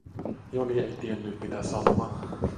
Joni ei tiennyt mitä sanoa.